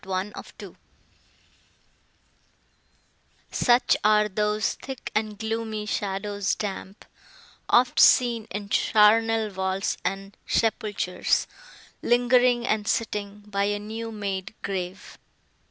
CHAPTER III Such are those thick and gloomy shadows damp, Oft seen in charnel vaults and sepulchres, Lingering, and sitting, by a new made grave.